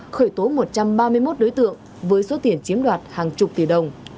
khởi tố một trăm ba mươi một đối tượng với số tiền chiếm đoạt hàng chục tỷ đồng